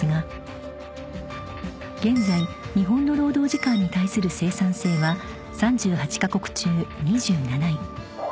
［現在日本の労働時間に対する生産性は３８カ国中２７位］